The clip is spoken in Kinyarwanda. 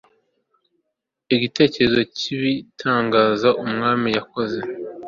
Igitekerezo cyibitangaza Umwami yakoze